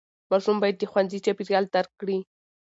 ماشوم باید د ښوونځي چاپېریال درک کړي.